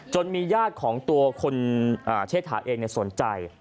มีญาติของตัวคุณเชษฐาเองสนใจ